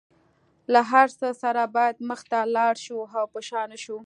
له هر څه سره باید مخ ته لاړ شو او په شا نشو.